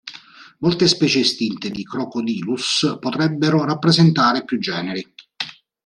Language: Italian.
Molte specie estinte di "Crocodylus" potrebbero rappresentare più generi.